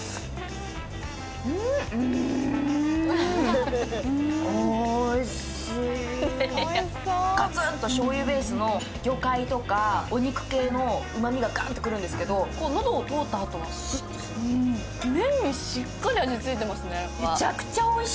うんうんガツンとしょうゆベースの魚介とかお肉系の旨みがガンとくるんですけどのどを通ったあとはスッとする麺にしっかり味ついてますね